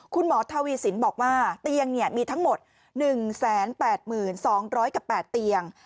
คุณหมอทวีสินบอกว่าเตียงมีทั้งหมด๑๘๒๐๐กับ๘เตียง